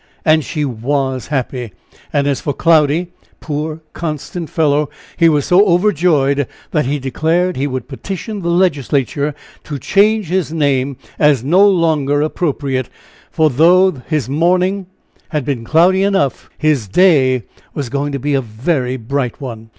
And she was happy! And as for Cloudy, poor, constant fellow! he was so overjoyed that he declared he would petition the Legislature to change his name as no longer appropriate, for though his morning had been cloudy enough, his day was going to be a very bright one!